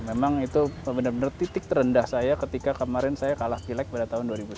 memang itu benar benar titik terendah saya ketika kemarin saya kalah pilek pada tahun dua ribu sembilan belas